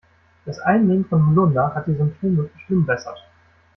Das Einnehmen von Holunder hat die Symptome verschlimmbessert.